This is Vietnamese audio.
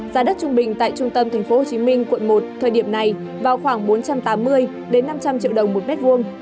giá đất trung bình tại trung tâm tp hcm quận một thời điểm này vào khoảng bốn trăm tám mươi năm trăm linh triệu đồng một mét vuông